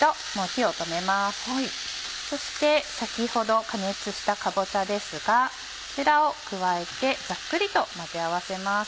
そして先ほど加熱したかぼちゃですがこちらを加えてざっくりと混ぜ合わせます。